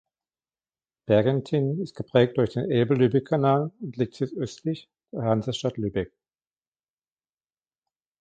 Berkenthin ist geprägt durch den Elbe-Lübeck-Kanal und liegt südöstlich der Hansestadt Lübeck.